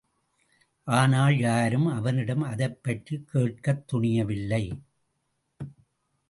ஆனால் யாரும் அவனிடம் அதைப்பற்றிக் கேட்கத் துணியவில்லை.